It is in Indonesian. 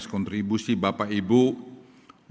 dan sekaligus terima kasih kepada bapak luhut panjaitan